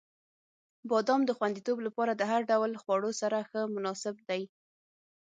• بادام د خوندیتوب لپاره د هر ډول خواړو سره ښه مناسب دی.